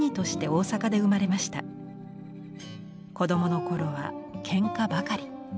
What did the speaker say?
子どもの頃はけんかばかり。